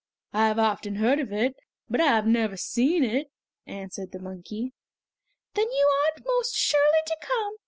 "I have often heard of it, but I have never seen it!" answered the monkey. "Then you ought most surely to come.